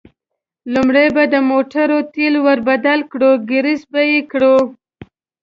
لومړی به د موټرو تېل ور بدل کړو، ګرېس به یې کړو.